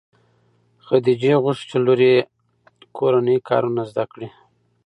خدیجې غوښتل چې لور یې کورني کارونه زده کړي.